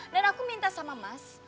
dan aku minta sama mas